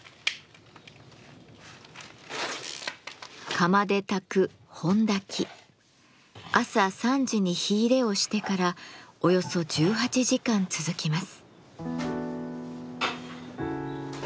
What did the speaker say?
釜で焚く朝３時に火入れをしてからおよそ１８時間続きます。